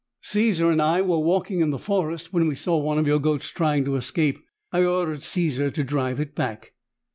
"Caesar and I were walking in the forest when we saw one of your goats trying to escape. I ordered Caesar to drive it back."